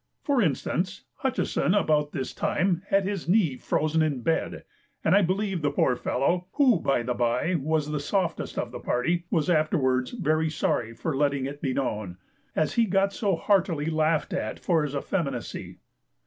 For instance, Hutchison about this time had his knee frozen in bed, and I believe the poor fellow (who by the bye was the softest of the party) was afterwards very sorry for letting it be known, as he got so heartily laughed at for his effeminacy.